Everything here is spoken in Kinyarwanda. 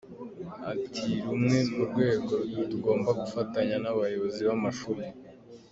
Ati “Rumwe mu rwego tugomba gufatanya ni abayobozi b’amashuri.